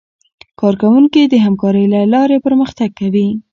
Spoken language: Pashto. کارکوونکي د همکارۍ له لارې پرمختګ کوي